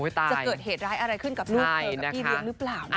จะเกิดเหตุร้ายอะไรขึ้นกับลูกเธอกับพี่เลี้ยงหรือเปล่า